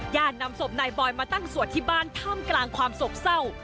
นำศพนายบอยมาตั้งสวดที่บ้านท่ามกลางความโศกเศร้า